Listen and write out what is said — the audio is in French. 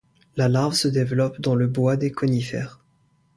La larve se développe dans le bois des conifères.